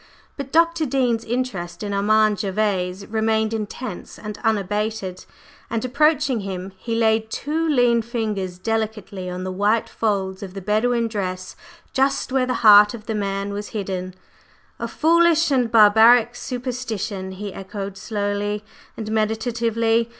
But Dr. Dean's interest in Armand Gervase remained intense and unabated; and approaching him, he laid two lean fingers delicately on the white folds of the Bedouin dress just where the heart of the man was hidden. "'A foolish and barbaric superstition!'" he echoed slowly and meditatively.